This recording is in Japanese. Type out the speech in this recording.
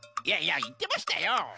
いやいやいってましたよ！